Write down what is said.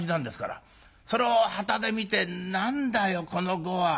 それをはたで見て「何だよこの碁は。